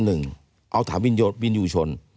๑เอาถามวิญญูชน